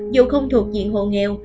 dù không thuộc diện hồ nghèo